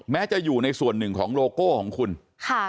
จะอยู่ในส่วนหนึ่งของโลโก้ของคุณค่ะ